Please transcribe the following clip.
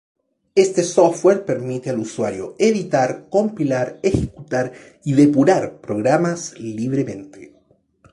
Este software permite al usuario editar, compilar, ejecutar y depurar programas libremente.